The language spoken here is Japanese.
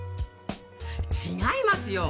違いますよ！